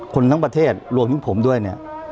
คนทั้งประเทศรวมถึงผมด้วยเนี่ย